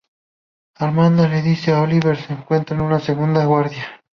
Amanda les dice que Oliver se encuentra en una segunda guarida.